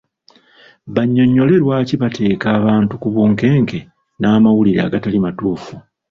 Bannyonnyole lwaki bateeka abantu ku bunkenke n’amawulire agatali matuufu.